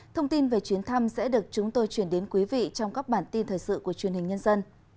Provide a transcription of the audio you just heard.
thông tin về chuyến thăm sẽ được chúng tôi chuyển đến quý vị trong các bản tin thời sự của truyền hình nhân dân